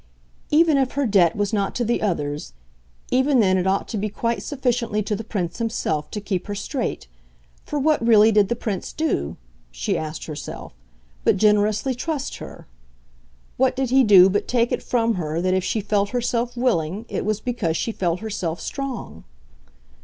"Even if her debt was not to the others even then it ought to be quite sufficiently to the Prince himself to keep her straight. For what, really, did the Prince do," she asked herself, "but generously trust her? What did he do but take it from her that if she felt herself willing it was because she felt herself strong?